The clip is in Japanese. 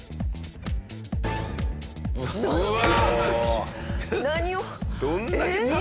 うわ！